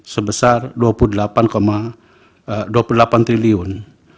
sebesar rp dua puluh delapan dua puluh delapan triliun